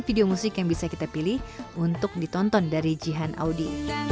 video musik yang bisa kita pilih untuk ditonton dari jihan audi